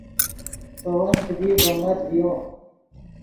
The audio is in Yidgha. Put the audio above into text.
ݰے ون کیدی ڤرومت ڤیو